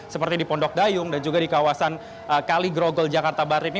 seperti di pondok dayung dan juga di kawasan kaligrogol jakarta barat ini